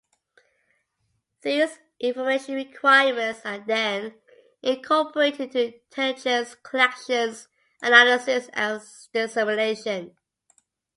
These information requirements are then incorporated into intelligence collection, analysis, and dissemination.